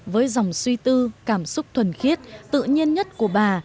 với dòng suy tư cảm xúc thuần khiết tự nhiên nhất của bà